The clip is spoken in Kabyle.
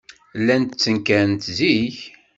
Llant ttenkarent zik.